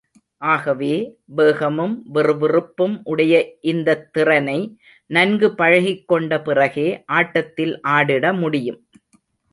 ஆகவே, வேகமும் விறுவிறுப்பும் உடைய இந்தத் திறனை நன்கு பழகிக் கொண்ட பிறகே, ஆட்டத்தில் ஆடிட முடியும்.